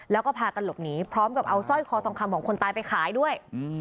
แล้วก็พากันหลบหนีพร้อมกับเอาสร้อยคอทองคำของคนตายไปขายด้วย